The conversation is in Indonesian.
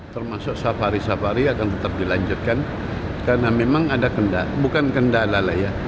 termasuk safari safari akan tetap dilanjutkan karena memang ada kendala bukan kendala lah ya